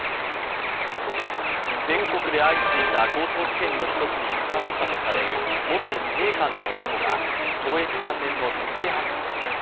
全国で相次いだ強盗事件の１つに関わったとされる元自衛官の男が、懲役３年の実刑判決に。